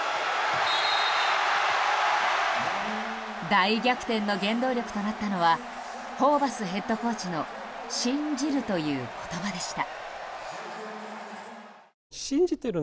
大逆転の原動力となったのはホーバスヘッドコーチの信じるという言葉でした。